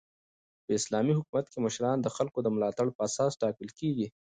په اسلامي حکومت کښي مشران د خلکو د ملاتړ پر اساس ټاکل کیږي.